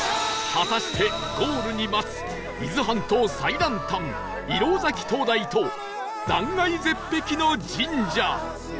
果たしてゴールに待つ伊豆半島最南端石廊埼灯台と断崖絶壁の神社